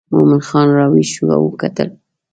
مومن خان راویښ شو او وکتل.